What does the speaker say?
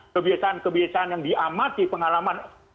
kebiasaan kebiasaan yang diamati pengalaman